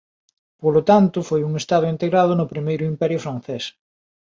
Polo tanto foi un estado integrado no Primeiro Imperio Francés.